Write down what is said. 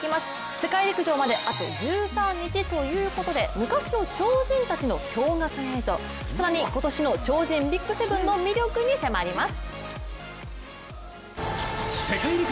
世界陸上まであと１３日ということで、昔の超人たちの驚がく映像、更に今年の超人ＢＩＧ７の魅力に迫ります。